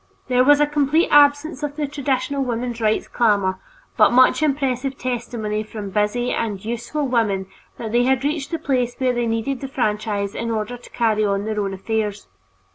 There was a complete absence of the traditional women's rights clamor, but much impressive testimony from busy and useful women that they had reached the place where they needed the franchise in order to carry on their own affairs.